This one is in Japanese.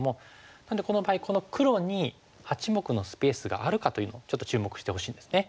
なのでこの場合この黒に八目のスペースがあるかというのをちょっと注目してほしいんですね。